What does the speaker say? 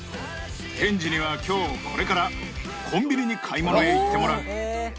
剣侍にはきょう、これから、コンビニに買い物へ行ってもらう。